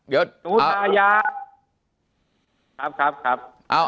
ไปท่ายา